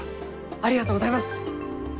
ありがとうございます！